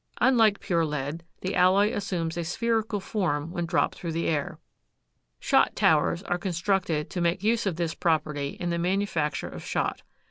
Unlike pure lead, the alloy assumes a spherical form when dropped through the air. "Shot towers" are constructed to make use of this property in the manufacture of shot.